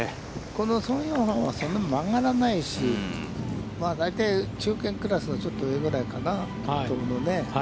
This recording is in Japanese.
この宋永漢は、そんなに曲がらないし、大体、中堅クラスのちょっと上ぐらいかなと思うね。